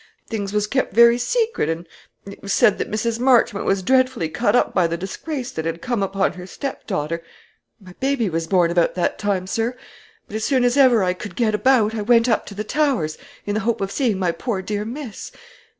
Things was kept very secret, and it was said that Mrs. Marchmont was dreadfully cut up by the disgrace that had come upon her stepdaughter. My baby was born about that time, sir; but as soon as ever I could get about, I went up to the Towers, in the hope of seeing my poor dear miss.